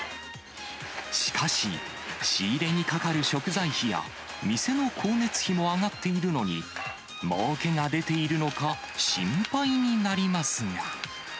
しかし、仕入れにかかる食材費や、店の光熱費も上がっているのに、もうけが出ているのか、心配になりますが。